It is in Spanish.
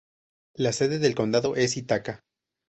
La sede del condado es Ithaca.